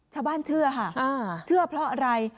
เชื่อค่ะเชื่อเพราะอะไร